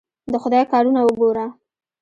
د خدای کارونه وګوره!